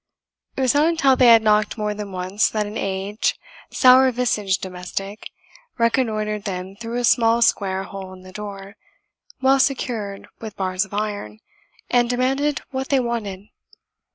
It was not until they had knocked more than once that an aged, sour visaged domestic reconnoitred them through a small square hole in the door, well secured with bars of iron, and demanded what they wanted.